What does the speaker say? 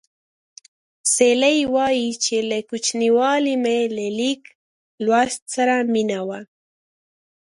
سیلۍ وايي چې له کوچنیوالي مې له لیک لوست سره مینه وه